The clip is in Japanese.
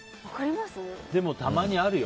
でも、たまにあるよ。